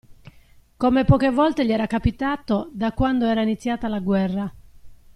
Come poche volte gli era capitato da quando era iniziata la guerra.